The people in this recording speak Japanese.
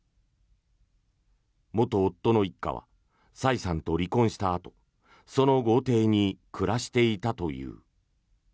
元夫の一家はサイさんと離婚したあとその豪邸に暮らしていたという。